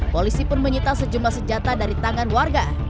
polisi pun menyita sejumlah senjata dari tangan warga